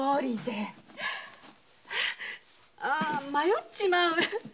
迷っちまう。